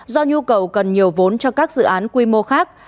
do nhu cầu cần nhiều vốn cho các dự án quy mô khác